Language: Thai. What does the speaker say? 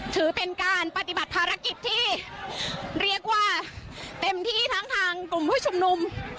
ถือเป็นการปฏิบัติภารกิจที่เรียกว่าเต็มที่ทั้งทางกลุ่มผู้ชุมนุม